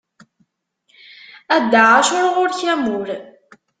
A Dda Ɛacur ɣur-k amur.